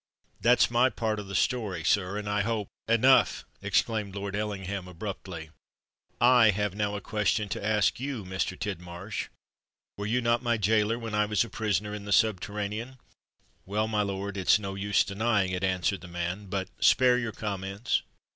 That's my part of the story, sir; and, I hope——" "Enough!" exclaimed Lord Ellingham abruptly. "I have now a question to ask you, Mr. Tidmarsh:—Were you not my gaoler when I was a prisoner in the subterranean?" "Well, my lord—it's no use denying it," answered the man; "but——" "Spare your comments.